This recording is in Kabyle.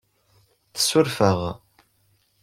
Tsuref-aɣ?